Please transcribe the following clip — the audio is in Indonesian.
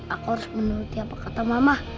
aku harus menuruti apa kata mama